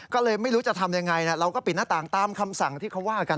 ก็เลยไม่รู้จะทำยังไงเราก็ปิดหน้าต่างตามคำสั่งที่เขาว่ากัน